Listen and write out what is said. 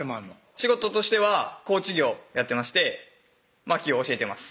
仕事としてはコーチ業やってまして真紀を教えてます